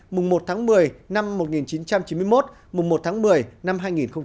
mùng một tháng một mươi năm một nghìn chín trăm chín mươi một mùng một tháng một mươi năm hai nghìn hai mươi